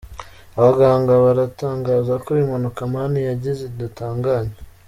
Abaganga baratangaza ko impanuka Mani yagize idakanganye